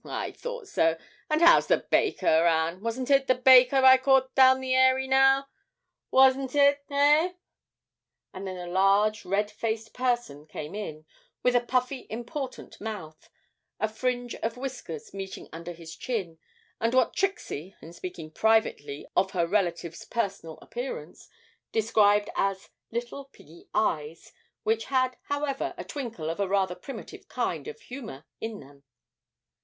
I thought so. Ah, how's the baker, Ann wasn't it the baker I caught down the airy now? wasn't it, hey?' And then a large red faced person came in, with a puffy important mouth, a fringe of whiskers meeting under his chin, and what Trixie, in speaking privately of her relative's personal appearance, described as 'little piggy eyes,' which had, however, a twinkle of a rather primitive kind of humour in them.